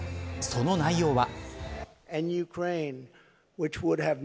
その内容は。